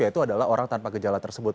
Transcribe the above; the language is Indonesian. yaitu adalah orang tanpa gejala tersebut